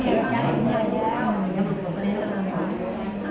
ทุติยังปิตพุทธธาเป็นที่พึ่ง